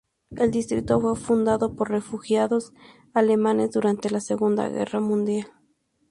El distrito fue fundado por refugiados alemanes durante la Segunda Guerra Mundial.